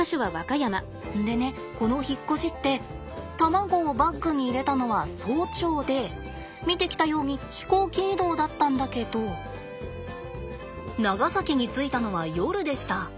でねこの引っ越しって卵をバッグに入れたのは早朝で見てきたように飛行機移動だったんだけど長崎に着いたのは夜でした。